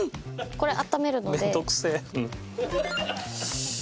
これあっためるので。